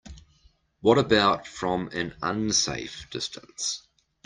What about from an unsafe distance?